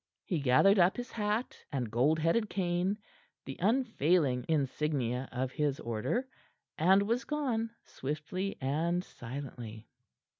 He gathered up his hat and gold headed cane the unfailing insignia of his order and was gone, swiftly and silently.